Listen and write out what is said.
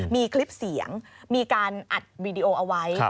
มีคลิปเสียงมีการอัดวีดีโอเอาไว้